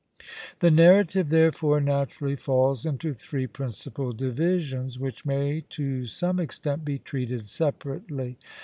The narrative therefore naturally falls into three principal divisions, which may to some extent be treated separately.